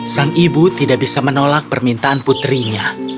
sang ibu tidak bisa menolak permintaan putrinya